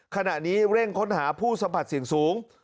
ขณะนี้เร่งค้นหาผู้สัมผัสเสี่ยงสูง